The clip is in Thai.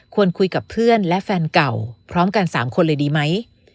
คุยกับเพื่อนและแฟนเก่าพร้อมกัน๓คนเลยดีไหม